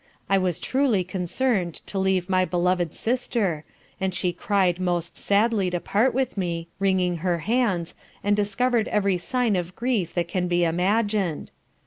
I was truly concerned to leave my beloved sister, and she cry'd most sadly to part with me, wringing her hands, and discovered every sign of grief that can be imagined.